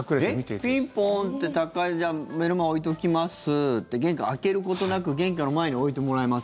ピンポーンって宅配じゃあ目の前に置いておきますって玄関開けることなく玄関の前に置いてもらいます。